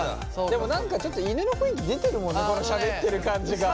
でも何かちょっと犬の雰囲気出てるもんねしゃべってる感じが。